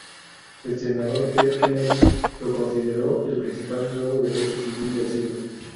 El senador Ted Kennedy lo consideró el principal nuevo derecho civil del siglo.